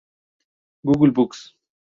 Google Books.